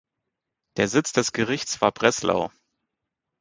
Der Sitz des Gerichts war Breslau.